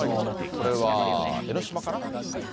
これは江の島かな。